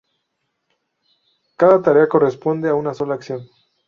Cada tarea corresponde a una sola acción.